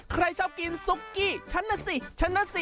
ใครชอบกินซุกกี้ฉันน่ะสิฉันนะสิ